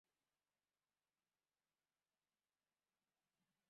En cuanto a su vida personal, tiene un hijo.